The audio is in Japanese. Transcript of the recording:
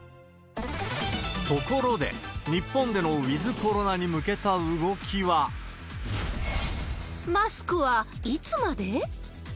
ところで、日本でのウィズコロナに向けた動きは。マスクはいつまで？